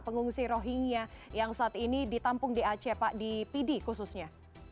pengungsi rohingya yang saat ini ditampung di aceh pak di pidi khususnya